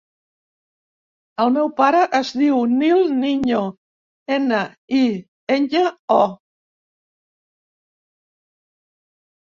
El meu pare es diu Nil Niño: ena, i, enya, o.